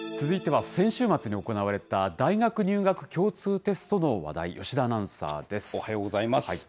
続いては先週末に行われた大学入学共通テストの話題、吉田アナウンサーです。